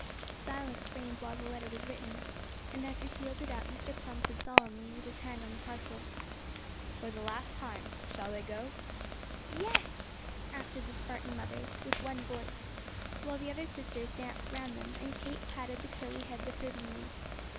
Silence reigned while the letter was written, and as he sealed it up Mr. Plum said solemnly, with his hand on the parcel: "For the last time, shall they go?" "Yes!" answered the Spartan mothers with one voice, while the other sisters danced round them, and Kate patted the curly heads approvingly.